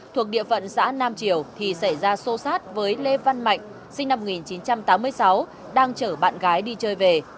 thuộc địa phận xã nam triều thì xảy ra xô xát với lê văn mạnh sinh năm một nghìn chín trăm tám mươi sáu đang chở bạn gái đi chơi về